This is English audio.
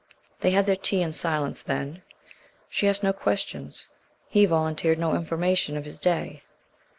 They had their tea in silence then. She asked no questions, he volunteered no information of his day.